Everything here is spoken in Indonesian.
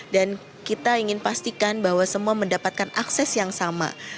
dan kita ingin pastikan bahwa semua mendapatkan akses yang sama